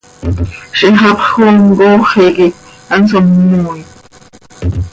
Ziix hapx coom cooxi quih hanso mmooit.